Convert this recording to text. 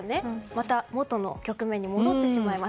またもとの局面に戻ってしまいます。